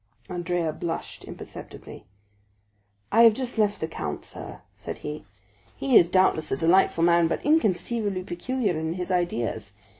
Andrea blushed imperceptibly. "I have just left the count, sir," said he; "he is, doubtless, a delightful man but inconceivably peculiar in his ideas.